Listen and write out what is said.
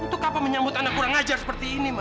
untuk apa menyambut anak kurang ajar seperti ini